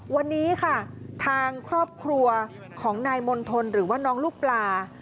วันนี้ค่ะทางครอบครัวของนายมณฑลหรือว่าน้องลูกปลา